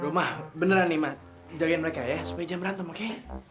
rumah beneran nih mas jagain mereka ya supaya jam berantem oke